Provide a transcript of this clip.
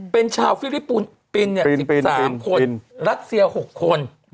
เป็นชาวฟิริปุนปิน๑๓คนรัสเซีย๖คน